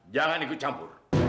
jangan ikut campur